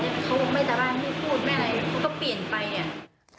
แล้วเขาบอกไม่สาบานพี่พูดไม่อะไรเขาก็เปลี่ยนไป